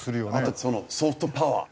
あとソフトパワー。